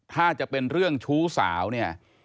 ถ้าจะเป็นเรื่องชู้สาวเนี่ย